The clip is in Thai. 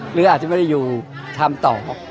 หรืออาจจะไม่ได้อยู่ทำต่อ